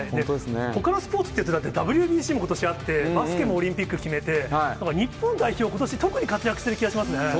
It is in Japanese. ほかのスポーツって、だって、ＷＢＣもあって、ことしあって、バスケもオリンピック決めて、日本代表、ことし特に活躍している気がしますね。